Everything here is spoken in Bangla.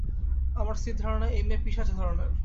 আমার স্ত্রীর ধারণা, এই মেয়ে পিশাচ ধরনের।